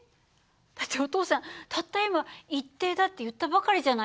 だってお父さんたった今一定だって言ったばかりじゃないですか。